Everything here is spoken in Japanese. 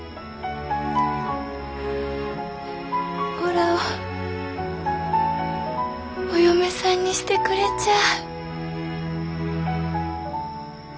おらをお嫁さんにしてくれちゃあ。